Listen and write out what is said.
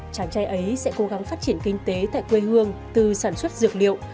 chàng trai ấy sẽ cố gắng phát triển kinh tế tại quê hương từ sản xuất dược liệu